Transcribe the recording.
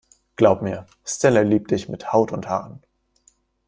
Glaub mir, Stella liebt dich mit Haut und Haaren.